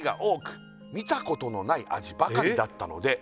「見たことのない味ばかりだったので」